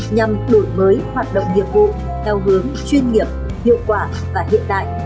nhằm đổi mới hoạt động nghiệp vụ theo hướng chuyên nghiệp hiệu quả và hiện đại